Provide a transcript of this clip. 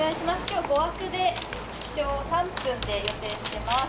今日５枠で気象３分で予定しています。